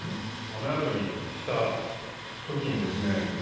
雨宿りした時にですね